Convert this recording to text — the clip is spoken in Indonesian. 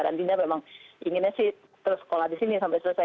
dan dinda memang inginnya sih terus sekolah di sini sampai selesai